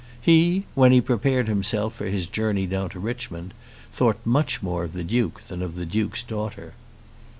He, when he prepared himself for his journey down to Richmond, thought much more of the Duke than of the Duke's daughter.